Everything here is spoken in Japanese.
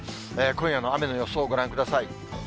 今夜の雨の予想をご覧ください。